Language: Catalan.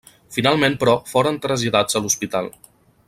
Finalment però foren traslladats a l'hospital.